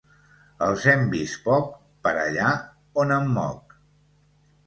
Els hem vists poc per allà on em moc.